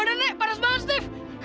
buat aneh padahal mahal steve